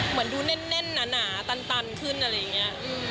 เหมือนดูแน่นหนาตันขึ้นอะไรอย่างนี้